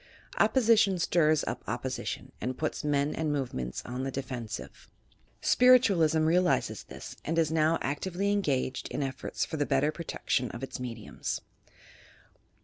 Opposition stirs up opposition and puts men and move ments on the defensive. Spiritualism realizes this and is now actively engaged in efforts for the better protec tion of its mediums.